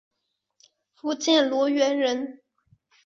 福建罗源人。